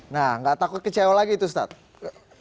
nah nggak takut kecewa lagi itu ustadz